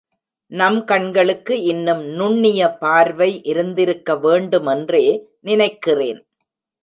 நம் கண்களுக்கு இன்னும் நுண்ணிய பார்வை இருந்திருக்க வேண்டுமென்றே நினைக்கிறேன்.